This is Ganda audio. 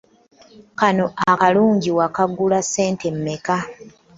Kano akalungi wakagula ssente mmeka?